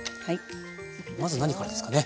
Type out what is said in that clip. まず何からですかね。